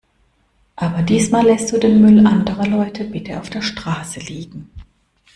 Aber diesmal lässt du den Müll anderer Leut bitte auf der Straße liegen.